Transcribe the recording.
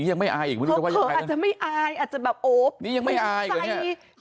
ยังไม่อายอีกเขาอาจจะไม่อายอาจจะแบบโอบนี่ยังไม่อายเหรอเนี้ย